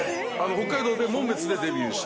北海道門別でデビューして。